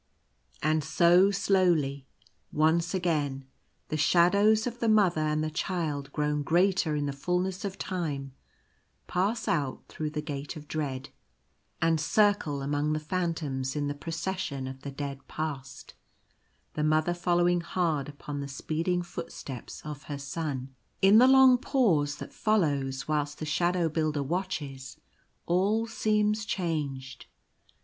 And so, slowly, once again, the shadows of the Mother and the Child grown greater in the fulness of time, pass out through the Gate of Dread, and circle among the phantoms in the Procession of the Dead Past — the Mother following hard upon the speeding footsteps of her Son. In the long pause that follows, whilst the Shadow Builder watches, all seems changed.